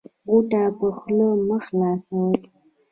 غوټه په خوله مه خلاصوی